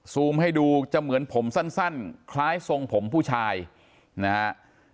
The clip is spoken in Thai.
ให้ดูจะเหมือนผมสั้นคล้ายทรงผมผู้ชายนะฮะ